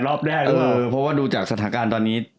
รอบแรกหรือเปล่าเออเพราะว่าดูจากสถานการณ์ตอนนี้